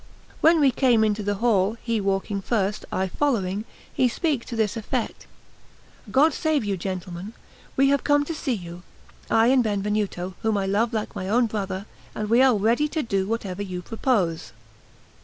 When we came into the hall, he walking first, I following, he speak to this effect: "God save you, gentlemen; we have come to see you, I and Benvenuto, whom I love like my own brother; and we are ready to do whatever you propose."